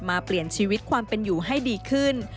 เปลี่ยนชีวิตความเป็นอยู่ให้ดีขึ้น